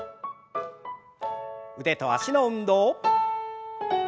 腕と脚の運動。